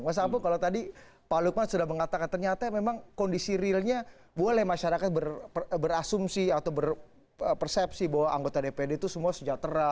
mas apung kalau tadi pak lukman sudah mengatakan ternyata memang kondisi realnya boleh masyarakat berasumsi atau berpersepsi bahwa anggota dpd itu semua sejahtera